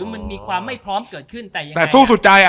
มีความไม่พร้อมเกิดขึ้นแต่ยังไง